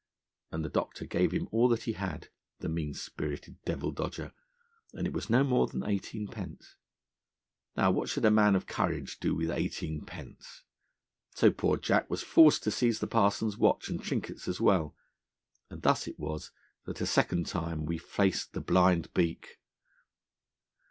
And the doctor gave him all that he had, the mean spirited devil dodger, and it was no more than eighteenpence. Now what should a man of courage do with eighteenpence? So poor Jack was forced to seize the parson's watch and trinkets as well, and thus it was that a second time we faced the Blind Beak.